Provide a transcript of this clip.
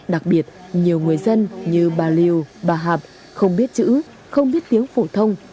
đặc biệt nhiều người dân như bà liều bà hạp không biết chữ không biết tiếng phổ thông